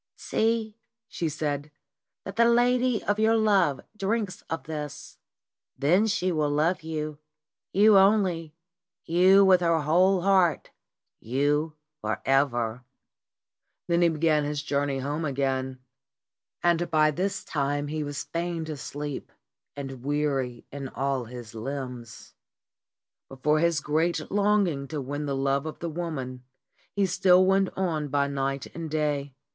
"See," she said, "that the lady of your love drinks of this. Then will she love you; you only; you, with her whole heart, you for ever." Then he began his journey home again. And by this time he was fain to sleep, and weary in all his THE LOVE PHILTER 299 limbs. But for his great longing to win the love of the woman he still went on by night and day.